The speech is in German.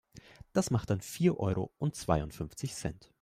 Das macht dann vier Euro und zweiundfünfzig Cent.